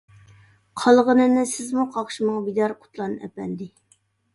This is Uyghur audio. قالغىنىنى سىزمۇ قاقشىماڭ بىدار قۇتلان ئەپەندى.